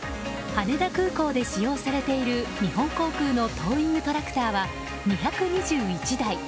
羽田空港で使用されている日本航空のトーイングトラクターは２２１台。